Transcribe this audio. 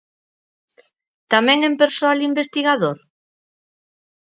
Tamén en persoal investigador?